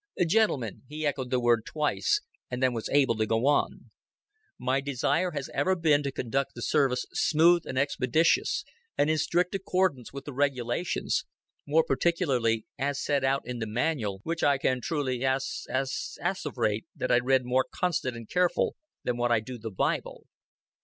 "Gentlemen " He echoed the word twice, and then was able to go on. "My desire has ever bin to conduct the service smooth and expeditious, and in strict accordance with the regulations more particularly as set out in the manual, which I can truly ass ass assev'rate that I read more constant and careful than what I do the Bible."